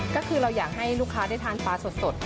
ก็คือเราอยากให้ลูกค้าได้ทานปลาสด